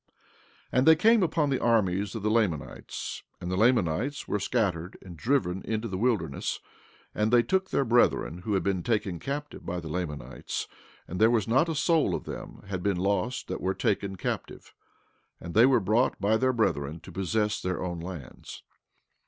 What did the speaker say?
16:8 And they came upon the armies of the Lamanites, and the Lamanites were scattered and driven into the wilderness; and they took their brethren who had been taken captive by the Lamanites, and there was not one soul of them had been lost that were taken captive. And they were brought by their brethren to possess their own lands.